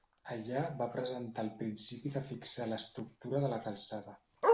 Allà va presentar el principi de fixar l'estructura de la calçada.